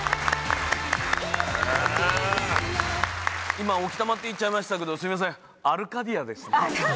今置賜って言っちゃいましたけどすいませんアルカディアですね。